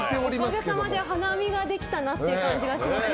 おかげさまで花見ができたなって感じがします